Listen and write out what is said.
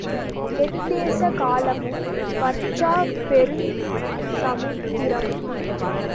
எத்தேச காலமும் வற்றாப் பெருஞ் சமுத்திரம்.